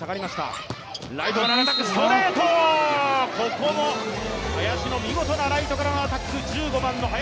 ここも林の見事なライトからのアタック、１５番の林。